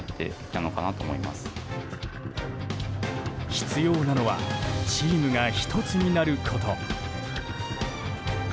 必要なのはチームが１つになること。